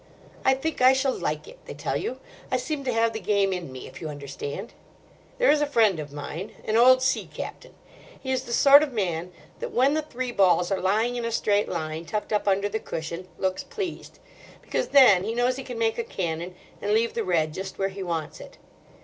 "I think I shall like it," they tell you; "I seem to have the game in me, if you understand." 'There is a friend of mine, an old sea captain. He is the sort of man that when the three balls are lying in a straight line, tucked up under the cushion, looks pleased; because then he knows he can make a cannon and leave the red just where he wants it.